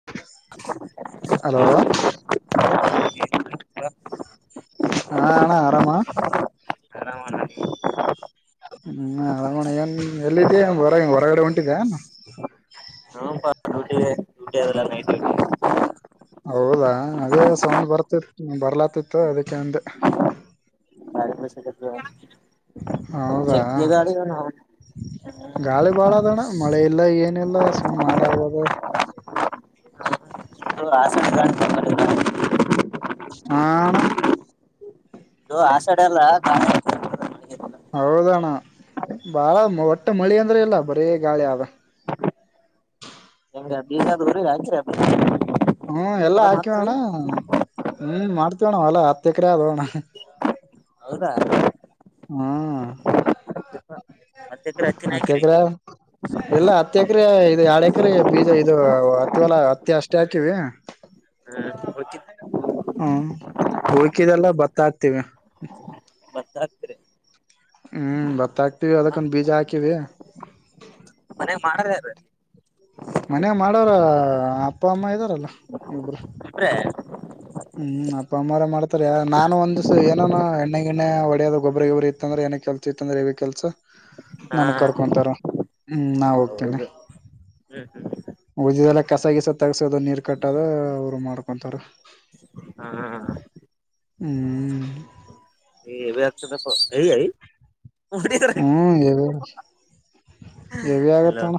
[inaudible] Hello ಹಾ ಅಣ್ಣಾ ಆರಾಮಾ? ಹ್ಮ್ ಆರಾಮ್ ಏನ್ ಎಲ್ಲಿದ್ದ ಹೊರ ಹೊರಗಡೆ ಹೊಂಟಿದ ್ [unintelligible] [unintelligible] ಹೌದಾ ಅದೇ ಸೌಂಡ್ ಬರ್ತಿತ್ತು ಬರ್ಲಾತಿತ್ತು ಅದಕ್ಕೆ ಅಂದ [unintelligible] ಹೌದಾ ಜಗ್ಗಿ ಗಾಡಿ ಇವ ಗಾಳಿ ಬಾಳದಣ್ಣ ಮಳೆ ಇಲ್ಲ ಏನಿಲ್ಲ ಸುಮ್ಮ್ ಮಾಡಾಗದ ಆಸ [unintelligible] ಹಾಣ ಇದು ಆಷಾಡ ಅಲ್ಲ [unintelligible] ಹೌದಣ್ಣ ಬಾಳ ಒಟ್ಟೆ ಮಳಿ ಅಂದ್ರೆ ಇಲ್ಲ ಬರೀ ಗಾಳಿ ಅವ ಅ ನಸ [unintelligible] ಹ್ಮ ಎಲ್ಲಾ ಹಾಕಿವೋಣ್ಣ ಹ್ಮ ಮಾಡ್ತವಣ್ಣ ಹೊಲ್ಲ ಹತ್ತೆಕರೆ ಆದವಣ್ಣ ಹೌದಾ ಹ್ಮ್ ಹತ್ತ ಎಕರೆ ಹತ್ತಿನ ಹತ್ತು ಹಾಕಿರಿ ಎಕರೆ ಎಲ್ಲಾ ಹತ್ತ ಎಕರೆ ಇದು ಯಏಳ ಎಕರೆ ಬೀಜ ಇದು ಹತ್ತಿವಲ್ಲ ಹತ್ತಿ ಅಷ್ಟೇ ಹಾಕಿವಿ ಹ್ಮ ಉಳ್ಕಿದ್ದು ಹ್ಮ ಹಯ್ಕಿದೆಲ್ಲ ಉಳ್ಕಿದ್ದು ಬತ್ತಾಗಕ್ತೇವಿ ಭತ್ತ ಹ್ಮ್ ಭತ್ತ ಹಾಕ್ತಿವಿ ಅದಕ್ಕೊಂದು ಬೀಜ ಹಾಕಿವಿ ಮನ್ಯಾಗ ಮಾಡದ್ರ ಮನ ಮಾಡೋರ ಅಪ್ಪ ಅಮ್ಮ ಇದಾರಲ್ಲ ಇಬ್ರು ಇಬ್ರೆ ಹ್ಮ್ ಅಪ್ಪ ಅಮ್ಮರ ಮಾಡತಾರೆ ನಾನು ಒಂದ್ ಏನ ಎಣ್ಣೆ ಗಿನ್ನೇ ಹೊಡೆಯೋದ ಗೊಬ್ಬರಿ ಗೊಬ್ಬರಿ ಇತ್ತಂದ್ರೆ ಏನ ಕೆಲ್ ತಂದ್ರೆ ಇವ ಕೆಲ್ಸ ಹಾ ನನ್ ಕರ್ಕೊಂತಾರ ಹ್ಮ್ ನಾ ಹೋಗ್ತೇನೆ ಹೌದು ಹ್ಮ್ ಹ್ಮ್ ಉಜಲ್ಲ ಕಸ ಗಸ ತಗಸೋದ ನೀರ್ ಕಟ್ಟದ ಅವ್ರು ಮಾಡ್ಕೊಂತಾರ ಹಾ ಹಾ ಹಾ ಹ್ಮ್ ಹೆವಿ ಆಗ್ತಡಪ್ಪ ಹ್ಮ್ ಎವಿ ಎವಿ ಆಗತ್ತ ಹಲೋ ಅಣ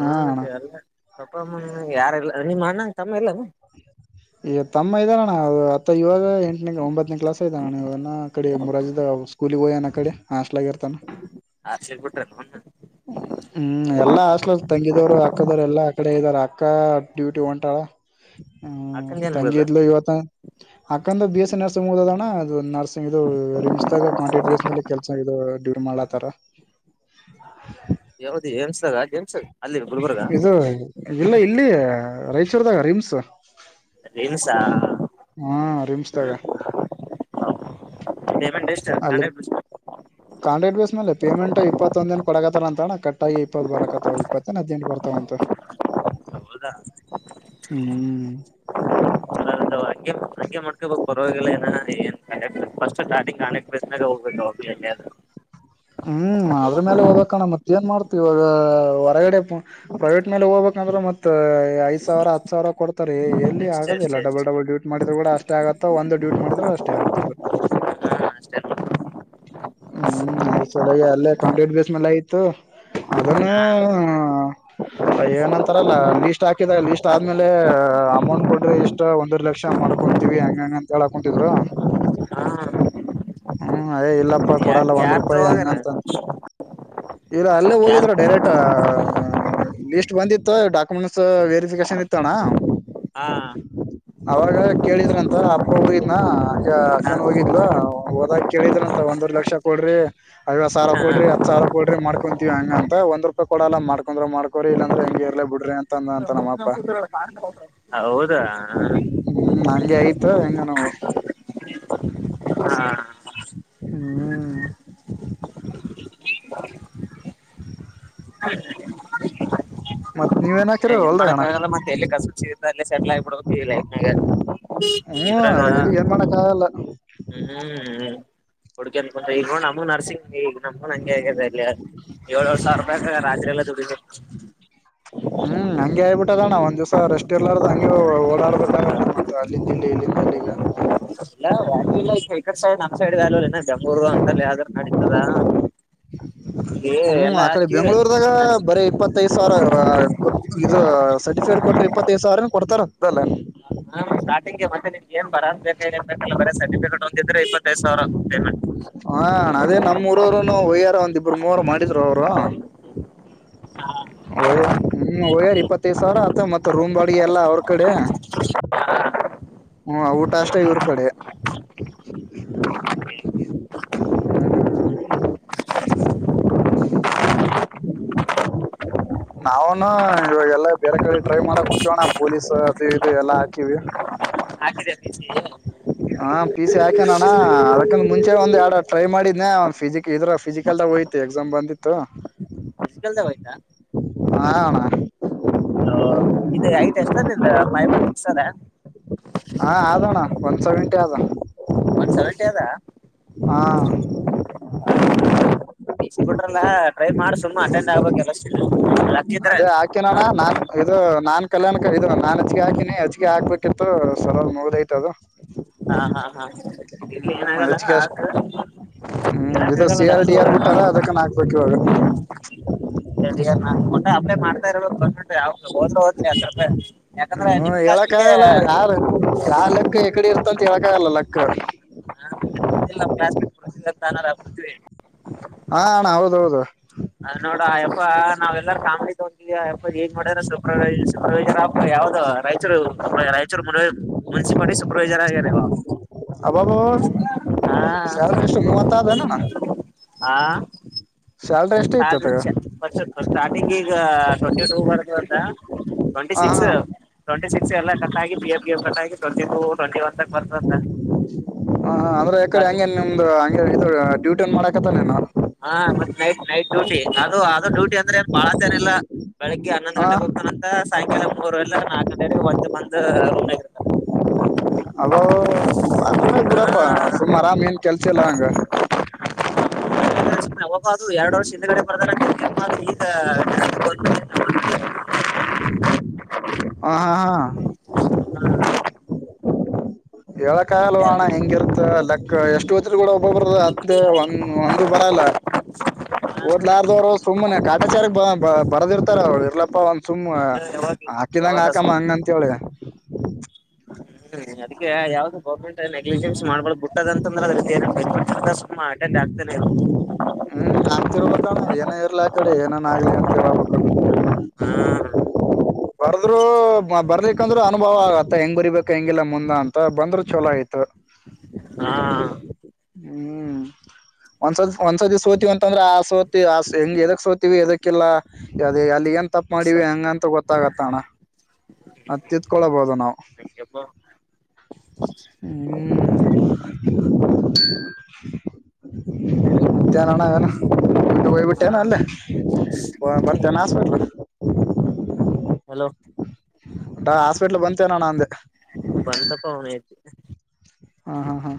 ಹಾ ಅಣ್ಣ ಅಪ್ಪ ಅಮ್ಮ ಯಾರಲ್ಲ ನಿಮ್ಮ ಅಣ್ಣಂಗ ತಮ್ಮ ಇಲ್ಲಾನ ಈಗ ತಮ್ಮ ಇದ್ದ ಅಣ್ಣ ಅದು ಅತ್ತ ಇವಾಗ ಎಂಟನೇ ಒಂಬತ್ತನೇ ಕ್ಲಾಸ್ ಇದಾನಣ್ಣನ್ನ ಕಡೆ ಮುರಾಜದಾಗ ಸ್ಕೂಲಿಗೆ ಹೋಗನ ಆಕಡೆ ಹಾಸ್ಟ್ಲೆಗ್ಗಿರ್ತಾನೆ ಆಚೇ ಬಿಟ್ಟಲ್ಲ ಹ್ಮ ಹ್ಮ್ ಎಲ್ಲಾ ಅಸ್ಲ ತಂಗಿದವ್ರು ಅಕ್ಕದವ್ರು ಎಲ್ಲಾ ಕಡೆ ಇದ್ದಾರ ಅಕ್ಕ ಡ್ಯೂಟಿ ಹೊಂಟಾಳ ಹ್ಮ ಅಕ್ಕಂದ ಏನ್ ಮುಗದು ತಂಗಿದ್ಲು ಇವತ್ತ ಅಕಂದ್ರ ಬಿ ಎಸ್ ಸಿ ನರ್ಸಿಂಗ್ ಓದಣ ಅದು ನರ್ಸಿಂಗ ಇದು ರಿಮ್ಸ್ಡಾಗ ಕಾಂಟಾಕ್ಟ್ ಬೇಸ್ ಮೇಲೆ ಕೆಲ್ಸ ಇದು ಡ್ಯೂರ್ ಮಾಡಾತಾರ ಯಾವದ [unintelligible] ಗ ಇದು ಇಲ್ಲ ಇಲ್ಲಿ ರಾಯಿಚೂರ್ದಾಗ ರಿಮ್ಸ್ ರೀಮ್ಸ್ ಹ ಹಾ ರಿಮ್ಸ್ ಪೇಮೆಂಟ್ ಎಷ್ಟ ಹಂಡ್ರೆಡ್ ಪರ್ಸೆಂಟ್ ಕಾಂಟಾಕ್ಟ್ ಬೇಸ್ ಮೇಲೆ ಪೇಮೆಂಟ್ ಇಪ್ಪತ್ತೊಂದ ದಿನ ಕೊಡಗತಾರ ಅಂತಣ ಕಟ್ಟಾಗಿ ಇಪ್ಪತ್ತು ಬರಕತ್ತವ ಇಪ್ಪತ್ತಿನ ಹದಿನಂಟು ಬರ್ತಾವ ಅಂತ ಹೌದಾ ಹ್ಮ್ ಅನಂತವಾಗಿ [unintelligible] ಹಾಗಂಗೆ ಮಾಡ್ಕೋಬೇಕು ಪರವಾಗಿಲ್ಲ ಏನ ಏನ್ ಕ ಫಸ್ಟ್ ಸ್ಟಾರ್ಟಿಂಗ್ ಕಾಣಕ್ಟ್ರಿಸಸ್ನಾಗ ಹೋಗ್ಬೇಕು ಹ್ಮ್ ಅದ್ರ ಮೇಲೆ ಹೋಗಬೇಕಣ್ಣ ಮತ್ತ ಏನ್ ಮಾಡ್ತೀವಾಗ ಹೊರಗಡೆ ಪ್ರೈವೇಟ್ ಮೇಲೆ ಹೋಗ್ಬೇಕಂದ್ರೆ ಮತ್ ಐದ್ ಸಾವಿರ ಹತ್ ಸಾವಿರ ಕೊಡ್ತಾರ ಇಲ್ಲ ಅಷ್ಟೇ ಆಗೋದಿಲ್ಲ ಅಷ್ಟೇ ಡಬಲ್ ಅಷ್ಟೇ ಡಬಲ್ ಡ್ಯೂಟಿ ಮಾಡಿದ ಕೂಡ ಅಷ್ಟೇ ಆಗೋದ ಮ ಒಂದು ಡ್ಯೂಟಿ ಮಾಡಿದ್ರೆ ಅಷ್ಟೇ ಆಗತ್ತ ಅದು ಹಾ ಅಷ್ಟೇ ಹ್ಮ್ ಅ ಚಲಗೆ ಅಲ್ಲೇ ಕಾಂಟ್ರಿಕ್ಟ್ ಬೇಸ್ ಮೇಲೆ ಆಯತ್ತು ಅದನ್ನು ಹಾ ಏನಂತಾರಲ್ಲ ಲೀಸ್ಟ್ ಹಾಕಿದ ಲೀಸ್ಟ್ ಆದ್ಮೇಲೆ ಅಮೌಂಟ್ ಕೊಡ್ರಿ ಇಷ್ಟ ಅಷ್ಟ ಒಂದರ ಲಕ್ಷ ಮಾಡ್ಕೊಂತೀವಿ ಹೆಂಗ ಹೆಂಗ ಅಂತ ಹೇಳಾಕೊಂತಿದ್ರು ಹಾ ಹ್ಮ್ ಅಯೇ ಇಲ್ಲಪ್ಪಾ ಯಾ ಕೊಡಲ್ಲ ಒಂದ್ ರೂಪಾಯಿ ಹಂಗಂತಂದ [unintelligible] ಇಲ್ಲ ಅಲ್ಲೇ ಯಾರ್ ಹೋಗಿದ್ರ ಡೈರೆಕ್ಟ್ ಲಿಸ್ಟ್ ಬಂದಿತ್ತು ಡಾಕ್ಯುಮೆಂಟ್ಸ್ ವೆರಿಫಿಕೇಶನ್ ಇತ್ತಣ್ಣ ಹಾ ಅವಾಗ ಕೇಳಿದ್ರ ಅಂತ ಅಪ್ಪ ಹೋಗಿದ್ನಾ ಈ ಹಾ ಅಕ್ಕನ್ ಹೋಗಿದ್ಲು ಹೋದಾಕ ಕೇಳಿದ್ರಂತ ಒಂದವರೇ ಲಕ್ಷ ಕೊಡ್ರಿ ಐವತ್ತು ಸಾವಿರ ಕೊಡ್ರಿ ಹತ್ತು ಸಾವಿರ ಕೊಡ್ರಿ ಮಾಡ್ಕೊಂತೀವಿ ಹಂಗ ಅಂತ ಒಂದ್ ರೂಪಾಯ ಕೊಡಲ್ಲ ಮಾಡ್ಕೊಂಡ್ರೆ ಮಾಡ್ಕ ಕೊಡ್ರಿ ಇಲಂದ್ರ ಹಂಗೆ ಇರ್ಲಿ ಬಿಡ್ರಿ ಅಂತ ಅಂದ್ನ ಅನ್ನು ಹೌದಾ ಹ್ಮ್ ಹಂಗೆ ಆಯ್ತ ಹೆಂಗ ನೋವು ಹಾ ಹ್ಮ್ ಮತ್ ನೀವೇನ್ ಹಾಕಿರ ಏನ್ ಮಾಡಕ್ಕ ಹೊಲ್ದಾಗಣ ಆಗಲ್ಲ ಮತ್ತೆ ಎಲ್ಲಿ ಕಸು ಸಿ ಅಲ್ಲೇ ಸೆಟಲ್ ಆಗಿಬಿಡ್ಬಕ ಲೈಫನಾಗ ಹ್ಮ್ ಇದ್ರಾಗ ಎಲ್ಲಿ ಏನ್ ಮಾಡಕ್ಕಾಗಲ್ಲ ಹ್ಮ್ಂ ಹುಕ್ಯಂತ ಇಕೊಂಡು ನಮ ನರ್ಸಿಂಗ್ ಈಗ ನಮಗೂನ್ ಹಂಗೆ ಆಗ್ಯಿದೆ ಅಲ್ಲಿ ಏಳ್ ಏಳ್ ಸಾವಿರ ರೂಪಾಯಿಕ ರಾತ್ರಿ ಎಲ್ಲಾ ದುಡೀತಿವ ಹ್ಮ್ ಹಂಗಿ ಆಯಬಿಟ್ಟದಣ್ಣ ಒಂದ್ ದಿವ್ಸ ರೆಸ್ಟ್ ಇರ್ಲಾರ್ದ ಹಂಗಿ ಓಡಾಡ್ಬಿಟ್ಟಾಗ ಅಲ್ಲಿಂದ ಇಲ್ಲಿ ಇಲ್ಲಿಂದ ಅಲ್ಲಿಗ್ ಇಲ್ಲ ವ್ಯಾಲ್ಯೂ ಇಲ್ಲ ಈಕ ಸೈಡ್ ನಮ್ಮ್ ಸೈಡ್ ವ್ಯಾಲ್ಯೂ ಇ ಬೆಂಗಳೂರು ಒಂತರ ಆಧಾರಕಾರ್ಡ್ ನಡಿತದ ಹ್ಮ್ ಆ ಕಡೆ ಬೆಂಗಳೂರದಾಗ ಹ ಬರ ಇಪ್ಪತ್ತ ಇಪ್ಪತ್ತೈದು ಸಾವಿರ ಇದು ಸರ್ಟಿಫಿಕೇಟ್ ಕೊಟ್ರೆ ಇಪ್ಪತ್ತೈದು ಸಾವಿರ ಕೊಡ್ತಾರ ಅಲ್ಲ ಸ್ಟಾರ್ಟಂಗೆ ಮತ್ತೆಮ್ ಏ ಬರನ್ ಬೇಕ ಏನ್ ಬೇಕ ಬೇ ಸರ್ಟಿಫಿಕೇಟ್ ಒಂದಿದ್ರೆ ಇಪ್ಪತ್ತೈದು ಸಾವಿರ ಪೇಮಂಟ್ ಹ ಅದೇ ನಮ್ಮ್ಊರವರುನು ಹೋಗಯ್ಯಾರ ಒಂದಿಬ್ರು ಮೂವರು ಮಾಡಿದ್ರು ಅವ್ರು ಹೋಗ್ಯಾರ ನಿಮ್ಮ ಹೋಗ್ಯಾರ ಇಪ್ಪತ್ತೈದ್ ಸಾವಿರ ಅಂತ ಮತ್ತ ರೂಮ್ ಬಾಡಿಗೆ ಎಲ್ಲ ಅವ್ರ ಕಡೆ ಹ್ಮ್ ಊಟ ಅಷ್ಟೇ ಇವ್ರ ಕಡೆ ನಾವ್ನು ಇವಾಗೆಲ್ಲಾ ಬೇರೆ ಕಡೆ ಡ್ರೈ ಮಾಡಕ್ ಹಚ್ಚೋಣ ಪೊಲೀಸ್ ಅದು ಇದು ಎಲ್ಲಾ ಹಾಕಿವಿ ಹಾಕಿದೆ [unintelligible] ಹ ಪಿ ಸಿ ಹಾಕೆನಾನ್ಣ ಅದಕ ಮುಂಚೆ ಒಂದ್ ಎರಡು ಟ್ರೈ ಮಾಡಿದ್ನೆ ಒ ಫಿಜಿಕ್ ಇದ್ರ ಫಿಸಿಕಲ್ ದಾಗ ಹೋಯ್ತ ಎಕ್ಸಾಮ್ ಬಂದಿತ್ತು [unintelligible] ಹಾಣ್ಣಾ ಹೌ ಇದು ಐಟ್ ಎಷ್ಟ ಅದ ನಿಂದ್ ಫೈವ್ ಪಾಯಿಂಟ್ ಸಿಕ್ಸ್ ಅದ ಹಾ ಆಧ್ವನ್ನಾ ಒನ್ ಸೇವೆಂಟಿ ಅದ ಒನ್ ಸೆವೆಂಟಿ ಅದಾ ಹಾ ಪ ಸಿ ಬಿಟ್ರಲ್ಲಾ ಟ್ರೈ ಮಾಡಿ ಸುಮ್ಮ್ ಅಟೆಂಡ್ ಆಗ್ಬೇಕಕ್ ಎಲ್ಲಷ್ಟಿದ ಲಕ್ಕಿದ್ರ ಹಾಕನೋಣ್ಣ ನಾನ್ ಇದು ನಾನ್ ಕಲ್ಯಾಣಕ ಇದು ನಾನ್ ಅರ್ಜಿ ಹಾಕಿನಿ ಅರ್ಜಿ ಹಾಕ್ಬೇಕಿತ್ತು ಸಲಲ್ ಮುಗದೈಐತ ಅದು ಹಾ ಹಾ ಹಾ ಏನಾಗಲ್ಲ ಹ್ಮ ಆಕ ಇ ಹೇಳಕ್ ಆಗಲ್ಲ ಸಿ ಆರ್ ಡಿ ಲಕ್ಕು ಆರ್ ಬಿಟ್ಟಾರ ಅದಕ್ಕ [inaudible] ನ ಕೊಟ್ಟೆ ಅಪ್ಲೈ ಮಾಡ್ತಾರೋ ಗರ್ಮೆಂಟ್ ಯಾವ ಹೋದ್ ಯಾಕಂದ್ರೆ ನಿಮ್ ಕಾಷ್ಟಿಗೆ ಯಾರು [unintelligible] ಎ ಕಡೆ ಇರ್ತ ಅಂತ ಹೇಳಕ ಆಗಲ್ಲ ಲಕ್ [unintelligible] ಪೃತ್ವಿ ಹ ಅಣ್ಣ ಹೌದೌದು ಅದ್ ನೋಡ ಅಯಪ್ಪಾ ನಾವೆಲ್ಲಾರ ಕಾಮಂಗಲಿ ಹೋಗ್ ಅಪ್ಪ ಹೆೇ ಮಾಡ್ಯ ಸೂಪ್ರವೈ ಸೂಪ್ರವೈಜರ್ ಯಾವ್ದ ರಾಯಚೂರು ನ ರಾಯಚೂರು ಮು ಮುನ್ಸಿಪಾಟಿ ಸೂಪರ್ವೈಸರ್ ಆಗ ನೀವು ಅಬಬ ಸಲರಿ ನ ಮಾತಾನುಣ ಹಾ ಎಷ್ಟ ಐತಿ ಸಾಲ್ರ ಅತಗ ಚ ಸ್ಟಾರ್ಟಿಂಗ್ ಈಗ ಟ್ವೆಂಟಿ ಟೂ ಬರ್ತ್ ಅಂತ ಟ್ವೆಂಟಿ ಹ ಸಿಕ್ಸ್ ಹ ಟ್ವೆಂಟ ಸಿಕ್ಸ್ ಎಲ್ಲ ಕಟ್ಟಾಗಿ ಪ ಎಫ್ ಎ ಕಟ್ ಹಾಗಿ ಟ್ವೆಂಟಿ ಟು ಟ್ವೆಂಟಿ ಒನ್ ತಕ್ ಬರ್ತಂತ ಹಾಗೆ ಇಂದು ಅಂಗೆ ಡ್ಯೂಟಿನ್ ಮಾಡಕತ್ತಲ್ಲ ನೀನು ಹಾ ಮತ್ತೆ ನೈಟ್ ನೈಟ್ ಡ್ಯೂಟಿ ಅದು ಅದು ಡ್ಯೂಟಿ ಅಂದ್ರೆನ್ ಬಾಳ ನ ಇಲ್ಲ ಬೆಳಗ್ಗೆ ಹನ್ನೊಂದು ಹ ಗಂಟೆಗೆ ಹೋಗತಾನ ಸಾಯಂಕಾಲ ಮೂರಲ್ಲ ನಾಕ ಗಂಟೆ ಮತ್ತೆ ಬಂದ ರೂಮ್ಗ ಇರ್ತ್ತದೆ ಅಬ ಅದ ಕುಡಪ್ಪಾ ಸುಮ್ ಆರಾಮ ಏನ್ ಕೆಲ್ಸ ಇಲ್ಲಾ ಹಂಗ ಬ ಅದು ಎರಡು ವರ್ಷ ಹಿಂದಗಡೆ ಬರ್ದಾರ ಈಗ [inaudible] ಹ ಹಾ ಹಾ ಏಳ ಕಾಯಲ್ವಾಣ್ಣ ಹೆಂಗಿರತ್ತ ಲಕ್ ಎಷ್ಟು ಹೊತ್ ಕೂಡ ಒಬ್ಬ ಬರದ ಅ ಒಂದ ಒಂದು ಬರಲ್ಲ [inaudible] ಓದ್ಲಾರ್ದವರು ಸುಮ್ಮ್ನೆ ಕಾಟಾಚಾರ ಬ ಬ ಬರದಿರ್ತಾರ ಅವ್ಳ ಇರ್ಲಪ್ಪಾ ಒಂದ ಸುಮ್ಮ ಯಾವಾಗ ಹಾಕಿದಂಗ ಯಾವಾಗ ಹಾಕಮ್ಮ ಹಂಗ ಅಂತವಲ್ ಹ್ಮ್ ಅದಕ್ಕೆ ಯಾವ್ದ ಗರ್ಮೆಂಟ್ ನೆಗ್ಲಿಜೆನ್ಸ್ ಮಾಡಬಾರದು ಬಿಟ್ಟದ ಅಂತ ಅಟೆಂಡ್ ಆಗ್ತನ ಇರು ಹ್ಮ ಹಾಕ್ತಿರ್ಬೇಕಣ್ಣ ಏನ ಇರ್ಲಿ ಆ ಕಡೆ ಏನನ್ ಆಗಲಿ ಅಂತಬೇಕಣ ಹಾ ಬರ್ದ್ರು ಬರ್ಲಿಕ್ಕಂದ್ರರು ಅನುಭವ ಆಗತ್ತ ಹೆಂಗ್ ಬರಿಬೇಕು ಹೆಂಗಿಲ್ಲ ಮುಂದ ಅಂತ ಬಂದ್ರರು ಚಲೋ ಆಯ್ತು [inaudible] ಹ್ಮ್ ಒಂದಸ ಒಂದು ಸತಿ ಸೋತಿ ವಿ ಅಂಥ ಅತ್ತಂದ್ರ ಆ ಸೋತಿ ಆ ಹೆಂಗ್ ಎದಕ್ ಸೋತಿವಿ ಎದಕ್ಕಿಲ್ಲಾ ಅದೇ ಅಲ್ಲಿ ನ್ ತಪ್ಪ ಮಾಡಿವ ಹೆಂಗಂತ ಗೊತ್ತಾಗತ್ತ ಅಣ ಅದು ತಿದ್ಕೊಳ್ಳಬಹುದು ನಾವು ಹ್ಮ ಡೆಲಿವರಿ ಇರುತ್ತ ಹೋಗ್ಬಿತ್ತೇನು ಅಲ್ಲೆ ಮತ್ತೆ ಏನು ಹಾಸ್ಪಿಟಲ್ ಹಲೋ ಹ ಹಾಸ್ಪಿಟ್ಲ್ ಬಂತೇನ ನ ಅಂದೆ [unintelligible] ಹ್ಮ ಹ್ಮ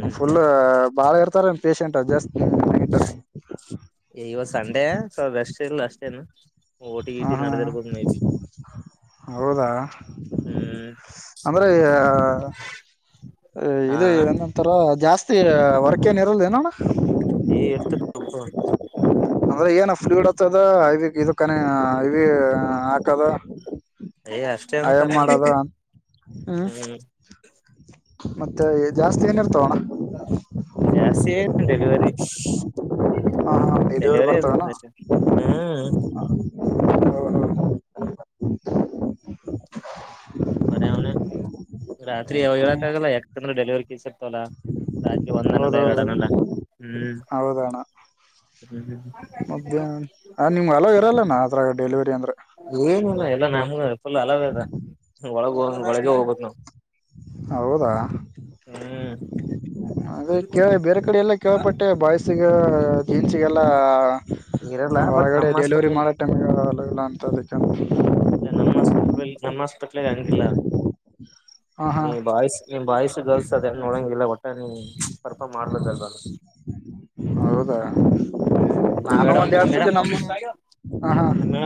ಹ್ಮ ಫುಲ್ಲು ಬಾಳ ಇರ್ತಾರೇನ್ ಪಷೆಂಟು ಅ ಜಾಸ್ತಿ ನೈಟಲ್ಲಿ. ಇವತ್ತು ಸಂಡೇ ಸೊ ರೆಸ್ಟ್ ಇಲ್ಲ ಅಷ್ಟೇನು ಓಟಿ ಹಾ ಇಟಿ ಹಾ ನಡೆದಿರ್ಬೋದು ಮೇ ಬಿ. ಹೌದಾ ಹ್ಮ್ ಅಂದ್ರೆ ಹಾ ಇದು ಏನಂತರ ಜಾಸ್ತಿ ವರ್ಕೇನ್ ಇರಲ್ದನೋಣ. ಏ ಇರ್ತ ಅಂದ್ರೆ ಏನ ಫ್ಲ್ಯೂಡ್ ಆತದ ಇದ ಕಣ ಇವಿ ಹಾಕದ ಏ ಅಷ್ಟೇ ಆ ಅಂತ ಏನ್ ಮಾಡದ ಹ್ಮ್. ಮತ್ತೆ ಜಾಸ್ತಿ ಏನಿರ್ತಾವಣ. ಜಾಸ್ತಿ ಏನ್ ಡೆಲಿವರಿ. ಹ ಹಾ ಡೆಲಿವರಿ ಬರ್ತಾವಣ ಇರುತ್ತ ಎನ್ ಹ್ಮ್. ಹೌ ಹೌ [unintelligible] ಬರ ಅವ್ನೆ ರಾತ್ರಿ ಯಾವಾಗ ಹೇಳಕ್ಕಾಗಲ್ಲ ಯಾಕೆಂದ್ರೆ ಡೆಲಿವರಿ ಕೇಸ್ ಇರ್ತವಲ್ಲ. ರಾತ್ರಿ ಒಂದನಲ್ಲ ಹೌದೌದು ಎರಡನ್ನಲ್ಲ ಹ್ಮ್. ಹ್ಮ್ ಮದ್ಯಾಹ ಆ ನಿಮ್ಗೆ ಅಲೊ ಇರಲ್ಲನಾ ಅದ್ರ ಡೆಲಿವರಿ ಅಂದ್ರೆ. ಏನಿಲ್ಲ ಎಲ್ಲಾ ಬಾಯ್ ನಾರ್ಮಲ್ ಫುಲ್ ಅಲೋವಿದೆ ಒಳಗ ಒಳಗ ಹೋಗದು ನಾವು. ಹೌದಾ? ಆದಕ್ಕೆ ಬೇರೆ ಕಡೆ ಎಲ್ಲೊ ಕೇಳ್ಪಟ್ಟೆ ಬಾಯ್ಸ್ ಗೆ ಜನ್ಸಿಗೆಲ್ಲ ಇರಲ್ಲ ಬಟ್ ಒಳಗಡೆ ನಮ್ಮ್ ಡೆಲಿವರಿ ಹಾಸ್ಪಿಟ್ಲಲ್ಲಿ ಮಾಡ್ [unintelligible] ಅಲೋ ಇಲ್ಲ ಅಂತದಕ್ಕೆ. ಇಲ್ಲ ನಮ್ಮ್ ಹಾಸ್ಪಿಟದಲ್ ನಮ್ಮ್ ಹಾಸ್ಪಿಟ್ಲ್ ಹಂಗಿಲ್ಲ ಹಾ ಹಾ ನೀ ಬಾಯ್ಸ್ ನೀ ಬಾಯ್ಸ್ ಗರ್ಲ್ಸ್ ಅದೇ ನೋಡಂಗಿಲ್ಲ ಒಟ್ನಲ್ಲಿ ಪರ್ಫಾಮ್ ಮಾಡ್ಬೇಕಲ್ವಾ. ಹೌದಾ? ಹ್ಮ್ ನ ನಾನು ಮೇಡಮ್ ಒಂದ್ ಎರಡ್ ಸತಿ ನಮ್ [unintelligible] ಹ ಹಾ ಹ್ಮ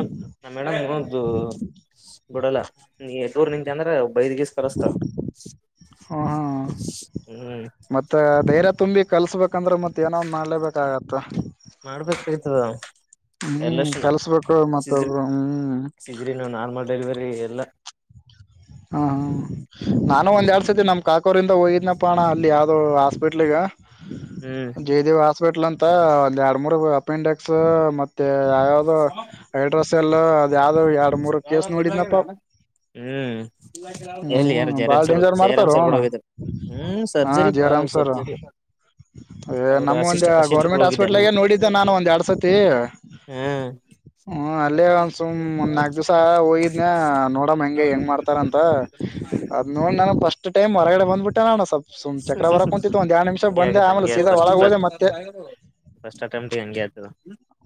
ನ ಮೇಡಮ್ ಇವಾಗ ದು ಬಿಡಲ್ಲ ದೂರ್ ನಿಂತೆ ಅಂದ್ರೆ ಬೈದಿಗೀದ್ ಕರಸ್ತಾರ್ ಹ್ಮ್ ಹ್ಮ್. ಮತ್ತ ಧೈರ್ಯ ತುಂಬಿ ಕಲ್ಸ್ಬೇಕಂದ್ರೆ ಮತ್ತ್ ಏನೋ ಒಂದ್ ಮಾಡ್ಲೇಬೇಕಾಗತ್ತ. ಮಾಡ್ಬೇಕಾಯ್ತದ ಹ್ಮ್ ಎಲ್ಲಷ್ಟು ಕಲ್ಸ್ಬೇಕು ಮತ್ತೊಬ್ರು ಹ್ಮ್. ಸಿಸ್ರಿನ್ನು ನಾರ್ಮಲ್ ಡೆಲಿವರಿ ಎಲ್ಲ. ಹಾ ಹ ನಾನು ಒಂದ್ ಎರಡ್ ಸತಿ ನಮ್ ಕಾಕೋರಿಂದ ಹೋಗಿದ್ನಪ್ಪ ಅಣ್ಣ ಅಲ್ಲಿ ಯಾವ್ದೋ ಹಾಸ್ಪಿಟ್ಲ್ಗೆ ಹ್ಮ್ ಜಯ್ದೇವ ಹಾಸ್ಪಿಟ್ಲ್ ಅಂತ ಎರಡು ಮೂರ್ ಅಪೆಂಡಿಕ್ಸ್ ಮತ್ತೆ ಯಾವ್ಯಾವ್ದೋ ಹೖಡ್ರಾಸೆಲ್ಲು ಅದ ಯಾವ್ದ್ ಎರ್ಡು ಮೂರು ಕೇಸ್ ನೋಡಿದ್ನಪ್ಪ. ಹ್ಮ್ ಎಲ್ಲಿ ಯಾರು ಹ್ಮ್ ಬಾಳ ಜರಾಮ್ಸಾರು ಡೇಂಜರ್ ಮಾಡ್ತಾರೋ ಜಯರಾಮ್ಸರ್ ಕೂಡ ಅಣ್ಣ ಹೋಗಾರೆ ಹ್ಮ್ ಹಾ ಸರ್ಜರಿ ಪಾ ಜಯರಾಮ್ ಸರ್ ಸರ್ಜರಿ. ಏ ಅವರು ಅಸಿಸ್ಟ್ ನಮೊಂದು ಅಸಿಸ್ಟ್ಗಳು ಗೌರ್ಮೆಂಟ್ ಹೋಗಿದ್ದೇನೆ ಹಾಸ್ಪಿಟ್ಲ್ಗೆ ನೋಡಿದ್ದೆ ನಾನು ಒಂದ್ ಎರಡ್ ಸತಿ. ಹ್ಮ್ ಹ್ಮ ಅಲ್ಲೇ ಒಂದ್ ಸುಮ್ ಒಂದ ನಾಕಕ್ ದಿವ್ಸ ಹೋಗಿದ್ನ ನೋಡಮ ಹೆಂಗೆ ಹೆಂಗ್ ಮಾಡ್ತ ರೆ ಅಂತ ಅದ್ ನೋಡ್ ನಾನ್ ಫಸ್ಟ್ ಟೈಮ್ ಹೊರಗಡೆ ಬಂದ್ಬಿಟ್ಟೆ ನೋಡ್ ಸ್ಪಲ್ಪ ಸುಮ್ ಚಕ್ರ ಬರಕ್ ಕುಂತಿತ್ತು ಒಂದ್ ಎರಡ್ ನಿಮಿಷ ಹಂಗೆ ಬಂದೆ ಆಗತ್ ಹಂಗ ಆಮೇಲೆ ಸೀದಾ ಒಳಗ್ ಹೋದೆ ಆತ ಮತ್ತೆ ಫಸ್ಟ್ ಅಟೆಂಟ್ಗ ಹಂಗೆ ಆತದ.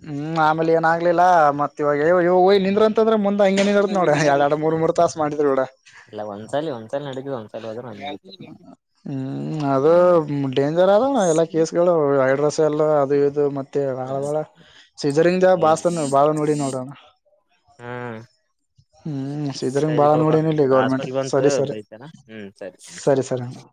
ಹ್ಮ್ ಆಮೇಲೆ ಏನಾಗ್ಲಿಲ್ಲಾ ಮತ್ತ ಇವಾಗ ನಿಂದ್ರ ಅಂತಂದ್ರೆ ಮುಂದ ಹಂಗ ನಿಂದರ್ತ್ ನೋಡ ಎರಡ್ ಎರಡು ಮೂರ್ ಮೂರ್ ತಾಸ ಮಾಡಿದ್ರ ನೋಡ ಇಲ್ಲ ಒಂದ್ಸಾಲ ಒಂದ್ಸಲ್ ನಡಿತದ ಒಂದ್ಸಲ ಹೋದ್ರ ಹ್ಮ್ ಅದು ಹ್ಮ್. ಡೇಂಜರ್ ಅದ ಎಲ್ಲಾ ಕೇಸ್ಗಳು ಹೖಡ್ರೊಸ್ ಮ ಎಲ್ಲ ಅದು ಇದು ಮತ್ತೆ ಬಾಳ ಹ್ಮ್ ಬಾಳ ಸೀಜರಿಂಗ ಈಗ ಬಾಸ್ ಬಾಳ ನಡಿ ನೋಡ್ರಣ ಹಾ ಹ್ಮ್ ಸಿಜರಿಂಗ ಬಾಳ ನೋಡನ ಇಲ್ಲಿ ಗೌರ್ಮೆಂಟ್ ಹಾಸ್ಪಿಟ್ಲ್ ಬಂತು ಸರಿ ಸರಿ ಬೈತಾನ ಹ್ಮ್ ಸರಿ ಸರಿ ಅಣ್ಣಾ